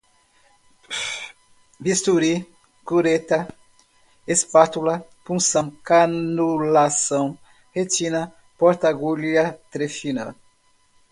bisturi, cureta, espátula, punção, canulação, retina, porta-agulha, trefina